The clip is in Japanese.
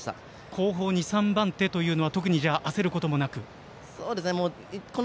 後方２３番手というのは特に焦ることなくということで。